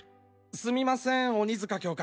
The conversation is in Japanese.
すみません鬼塚教官。